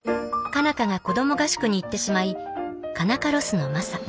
佳奈花が子ども合宿に行ってしまい佳奈花ロスのマサ。